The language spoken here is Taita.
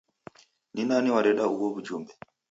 Nani wareda ugho w'ujumbe?